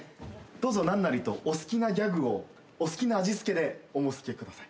どうぞ何なりとお好きなギャグをお好きな味付けでお申し付けください。